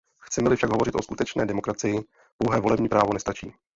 Chceme-li však hovořit o skutečné demokracii, pouhé volební právo nestačí.